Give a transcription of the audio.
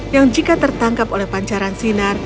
yang jika tertangkap oleh pancaran sinar